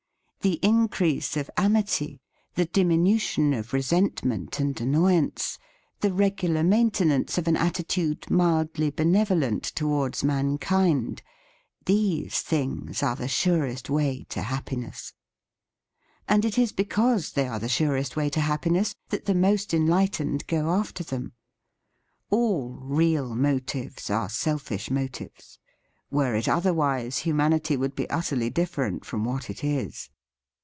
The increase of amity, the dim inution of resentment and annoyance, the regular maintenance of an attitude mildly benevolent towards mankind, —• these things are the surest way to hap piness. And it is because they are the surest way to happiness, that the most enlightened go after them. All real motives are selfish motives; were it otherwise humanity would be utterly different from what it is.